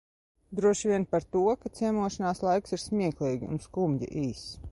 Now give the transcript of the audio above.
Droši vien par to, ka ciemošanās laiks ir smieklīgi un skumji īss.